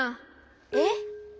えっ？